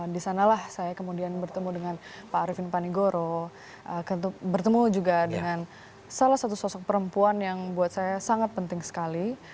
di sanalah saya kemudian bertemu dengan pak arifin panigoro bertemu juga dengan salah satu sosok perempuan yang buat saya sangat penting sekali